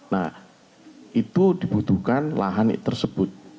nah itu dibutuhkan lahan tersebut